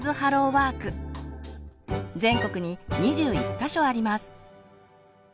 全国に２１か所あります。